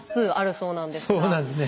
そうなんですね。